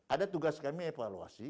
ada tugas kami evaluasi